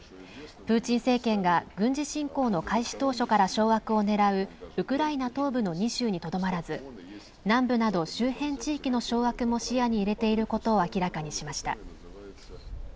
プーチン政権が軍事侵攻の開始当初から掌握を狙うウクライナ東部の２州にとどまらず南部など周辺地域の掌握も視野に入れていることを明らかにしました。